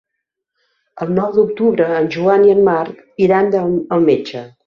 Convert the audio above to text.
El nou d'octubre en Joan i en Marc iran al metge.